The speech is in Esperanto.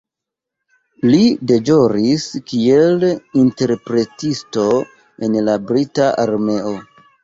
Li deĵoris kiel interpretisto en la brita armeo.